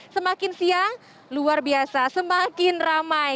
semakin siang luar biasa semakin ramai